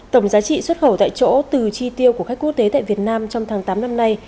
tổng giá trị xuất khẩu tại chỗ từ chi tiêu của khách quốc tế tại việt nam trong tháng tám năm nay